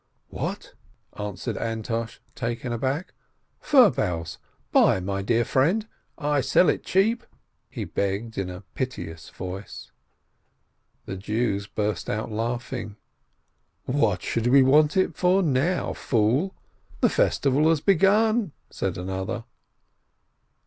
"What ?" answered Antosh, taken aback. "Fir boughs ! Buy, my dear friend, I sell it cheap!" he begged in a piteous voice. The Jews burst out laughing. 'What should we want it for now, fool ?" "The festival has begun!" said another.